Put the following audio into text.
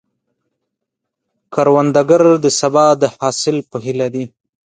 کروندګر د سبا د حاصل په هیله دی